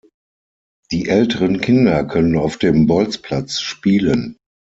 Die älteren Kinder können auf dem Bolzplatz spielen.